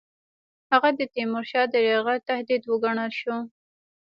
هغه د تیمورشاه د یرغل تهدید وګڼل شو.